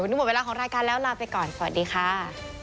วันนี้หมดเวลาของรายการแล้วลาไปก่อนสวัสดีค่ะ